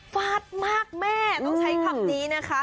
ฟาดมากแม่ต้องใช้คำนี้นะคะ